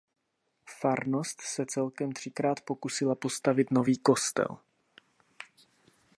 Farnost se celkem třikrát pokusila postavit nový kostel.